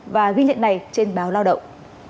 và ghi nhận này trên báo lao động